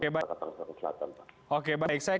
kota tengah selatan pak oke baik saya